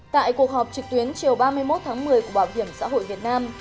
tại cuộc họp trực tuyến chiều ba mươi một tháng một mươi của bảo hiểm xã hội việt nam